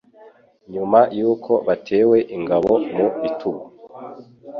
nyuma y'uko batewe ingabo mu bitugu